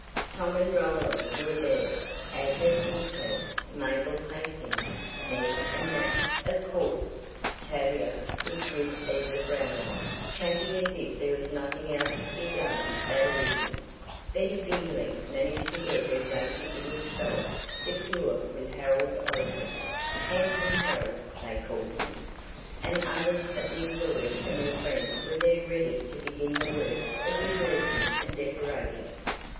Tom and Roland were there, Agnes Sinclair, Mabel Hastings, Ned, and Nat, of course; Tavia was with Eva Brownlie, chatting as if there was nothing else to be done that evening; Betty Bindley managed to get her dainty little self secure with Harold Osborne (Handsome Harold, they called him), and other members of the auxiliary and their friends were there ready to begin the work of rehearsing and decorating.